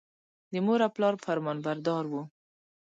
د مور او پلار فرمانبردار و.